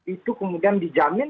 itu kemudian dijamin